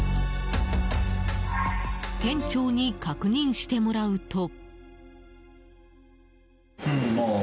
店長に確認してもらうと。